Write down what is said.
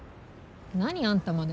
何、あんたまで。